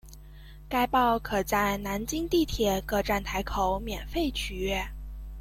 该报可在南京地铁各站台口免费取阅。